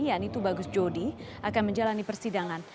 yang itu tubagus jodi akan menjalani persidangan